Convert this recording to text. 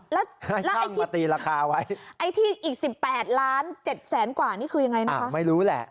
แล้วท่านมาตีราคาไว้ไอ้ที่อีก๑๘ล้าน๗แสนกว่านี่คือยังไงนะไม่รู้แหละ